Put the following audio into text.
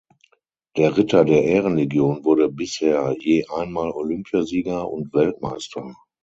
Der Ritter der Ehrenlegion wurde bisher je einmal Olympiasieger und Weltmeister.